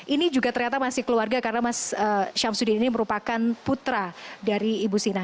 ini juga ternyata masih keluarga karena mas syamsuddin ini merupakan putra dari ibu sina